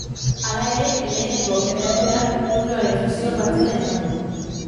Hala ere, lehenengo erreaktoreak nukleoaren fusio partziala izan du.